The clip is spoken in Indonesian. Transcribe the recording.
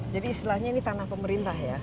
jadi istilahnya ini tanah pemerintah ya